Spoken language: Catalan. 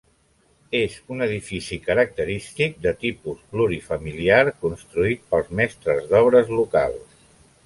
És un edifici característic de tipus plurifamiliar, construït pels mestres d'obres locals.